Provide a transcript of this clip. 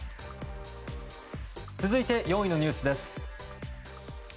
続いて４位のニュースです。